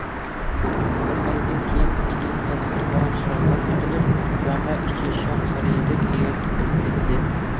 بىرئازدىن كېيىن ئېگىز ئاسما چىراغلار يېقىلىپ، جامە ئىچى شاھ سارىيىدەك ھەيۋەتلىك بولۇپ كەتتى.